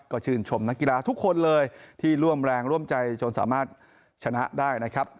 ก็ชื่นชมนักกีฬาทุกคนเลยที่ร่วมแรงร่วมใจจนสามารถชนะได้นะครับ